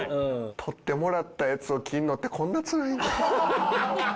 撮ってもらったやつを切るのってこんなつらいん。